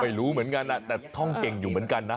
ไม่รู้เหมือนกันแต่ท่องเก่งอยู่เหมือนกันนะ